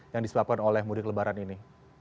yang disebabkan oleh mudik lebaran ini